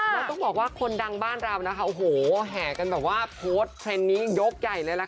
แล้วต้องบอกว่าคนดังบ้านเรานะคะโยกใหญ่เลยละค่ะ